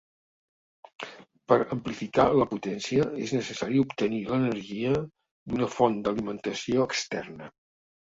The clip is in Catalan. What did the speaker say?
Per amplificar la potència és necessari obtenir l'energia d'una font d'alimentació externa.